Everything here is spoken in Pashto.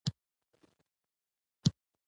• د شپې سکون د زړه د ارام راز دی.